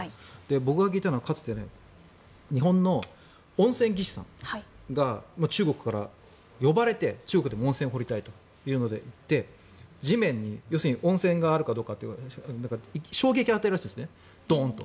僕が聞いたのはかつて、日本の温泉技師さんが中国から呼ばれて中国でも温泉を掘りたいというので行って地面に温泉があるかどうかって衝撃を与えるらしいんですドーンと。